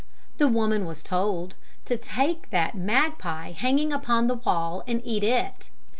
The woman was told 'to take that magpie hanging upon the wall and eat it.'